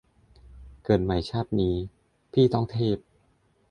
เกิดใหม่ชาตินี้ พี่ต้องเทพ